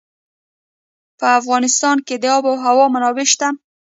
په افغانستان کې د آب وهوا منابع شته.